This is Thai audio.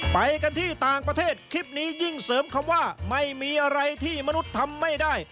ไปกันที่ต่างประเทศคลิปนี้ยิ่งเสริมคำว่าไม่มีอะไรที่มนุษย์ทำไม่ได้